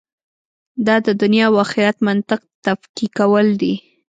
دا د دنیا او آخرت منطق تفکیکول دي.